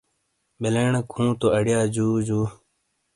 بلیݨک ہوں تو اریا جو جو۔